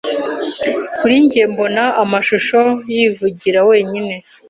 Kuri njye mbona amashusho yivugira wenyine.